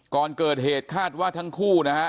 ก่อนเกิดเหตุคาดว่าทั้งคู่นะฮะ